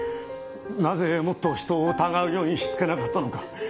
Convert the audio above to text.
なぜもっと人を疑うようにしつけなかったのか。